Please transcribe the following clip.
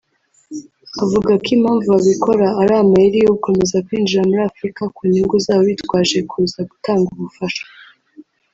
Avuga ko impamvu babikora ari amayeri yo gukomeza kwinjira muri Afurika ku nyungu zabo bitwaje kuza gutanga ubufasha